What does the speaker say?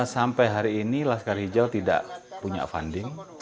sampai hari ini laskar hijau tidak punya funding